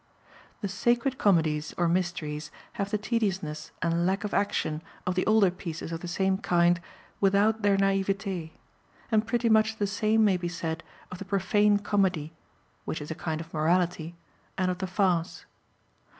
The sacred comedies or mysteries have the tediousness and lack of action of the older pieces of the same kind without their naïveté; and pretty much the same may be said of the profane comedy (which is a kind of morality), and of the farce.